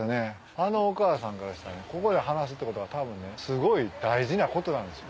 あのお母さんからしたらここで話すってことは多分ねすごい大事なことなんですよ